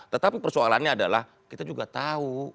tetapi persoalannya adalah kita juga tahu